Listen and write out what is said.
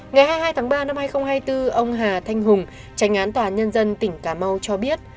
ngày hai mươi hai tháng ba năm hai nghìn hai mươi bốn ông hà thanh hùng tránh án tòa án nhân dân tỉnh cà mau cho biết